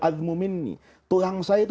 admum inni tulang saya itu